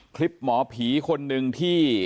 คลิปหมอผีคนหนึ่งที่